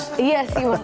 makanya nanti diabetes